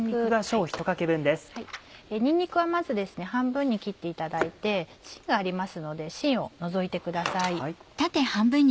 にんにくはまず半分に切っていただいて芯がありますので芯を除いてください。